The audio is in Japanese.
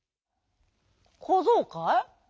「こぞうかい？